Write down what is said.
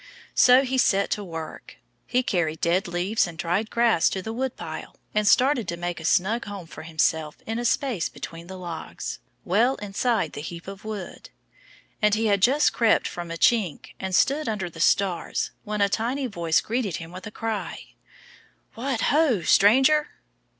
So he set to work. He carried dead leaves and dried grass to the woodpile and started to make a snug home for himself in a space between the logs, well inside the heap of wood. And he had just crept from a chink and stood under the stars when a tiny voice greeted him with a cry, "What ho, stranger!"